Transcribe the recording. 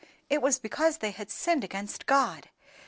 It was because they had sinned against God.